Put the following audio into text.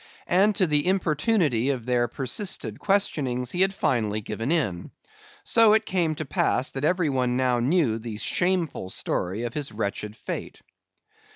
And to the importunity of their persisted questionings he had finally given in; and so it came to pass that every one now knew the shameful story of his wretched fate.